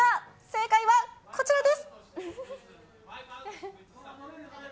正解はこちらです。